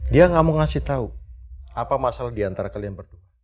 dia tidak mau memberitahu apa masalah di antara kalian bertemu